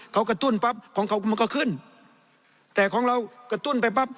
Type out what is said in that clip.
เขากระตุ้นปั๊บของเขามันก็ขึ้นแต่ของเรากระตุ้นไปปั๊บ